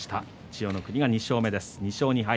千代の国、２勝目です。